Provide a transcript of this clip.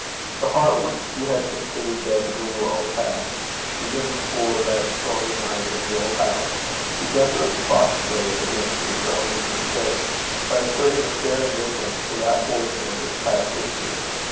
The heart which she had considered dead to the world had, even before that stormy night in the old house, begun to expostulate against its owner's mistake, by asserting a fair indifference to that portion of its past history.